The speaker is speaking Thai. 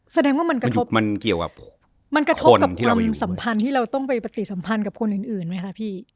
แสดงว่ามันกระทบกับความสัมพันธ์ที่เราต้องไปปฏิสัมพันธ์กับคนอื่นไหมคะพี่